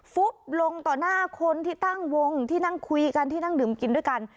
ฟุบลงต่อหน้าคนที่ตั้งวงที่นั่งคุยกันที่นั่งดื่มกินด้วยกัน